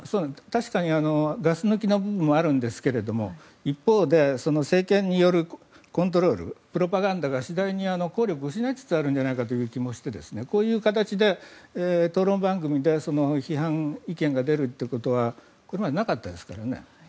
確かにガス抜きの部分はあるんですが一方で政権によるコントロールプロパガンダが次第に効力を失いつつあるんじゃないかという気もしてこういう形で討論番組で批判意見が出るということはこれまでなかったですからね。